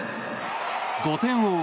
５点を追う